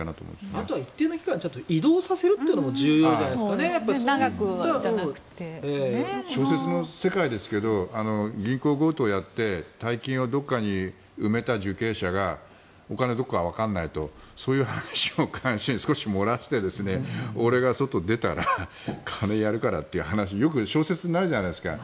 あとは一定の期間移動させるというのも小説の世界ですけど銀行強盗をやって大金をどこかに埋めた受刑者がお金がどこかわからないとそういう話を看守に少し漏らして俺が外に出たら金をやるからという話よく小説になるじゃないですか。